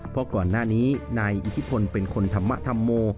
เพราะก่อนหน้านี้นายอิทธิพลเป็นคนธรรมธรรโม